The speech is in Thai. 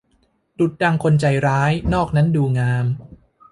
ดุจดังคนใจร้าย นอกนั้นดูงาม